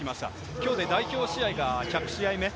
きょうで代表試合が１００試合目。